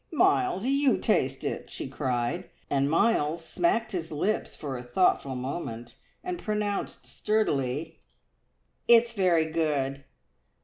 "Miles, you taste it!" she cried, and Miles smacked his lips for a thoughtful moment, and pronounced sturdily "It's very good!"